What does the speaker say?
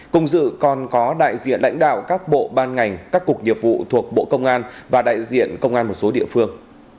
cùng dự còn có đại diện lãnh đạo các bộ ban ngành các cục nghiệp vụ thuộc bộ công an và đại diện công an một số địa phương